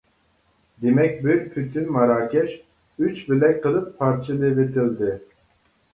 دېمەك بىر پۈتۈن ماراكەش ئۈچ بۆلەك قىلىپ پارچىلىۋېتىلدى.